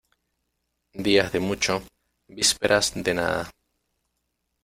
Días de mucho, vísperas de nada.